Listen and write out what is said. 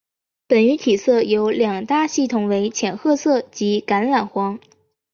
本鱼体色有两大系统为浅褐色及橄榄黄。